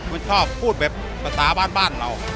ไม่ชอบพูดแบบประตาบ้านเรา